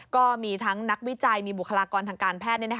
ก็มีทั้งนักวิจัยมีบุคลากรทางการแพทย์